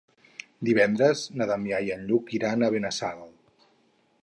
Divendres na Damià i en Lluc iran a Benassal.